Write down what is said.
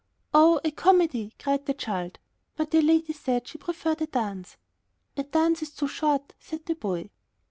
"Oh, a comedy," cried the child. But the lady said she preferred a dance. "A dance is too short," said the boy.